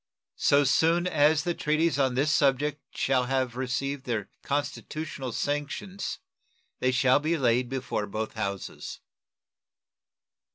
So soon as the treaties on this subject shall have received their constitutional sanctions they shall be laid before both houses.